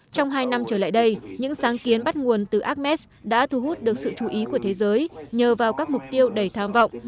trong hai năm trở lại đây những sáng kiến bắt nguồn từ ames đã thu hút được sự chú ý của thế giới nhờ vào các mục tiêu đầy tham vọng